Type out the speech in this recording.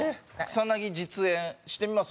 草薙実演してみます？